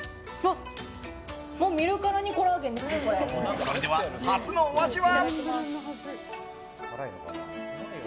それでは初のお味は？